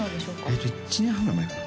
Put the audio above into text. えっと１年半ぐらい前かな？